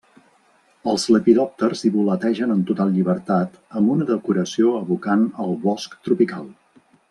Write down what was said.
Els lepidòpters hi voletegen en total llibertat amb una decoració evocant el bosc tropical.